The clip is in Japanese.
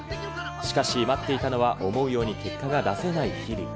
しかし待っていたのは、思うように結果が出せない日々。